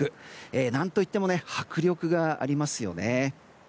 何といっても迫力がありますよね。